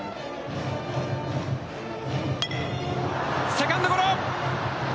セカンドゴロ。